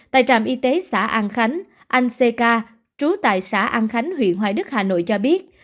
tại trạm y tế xã an khánh anh ck trú tại xã an khánh huyện hoài đức hà nội cho biết